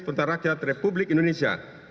puntar rakyat republik indonesia